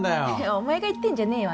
お前が言ってんじゃねえよ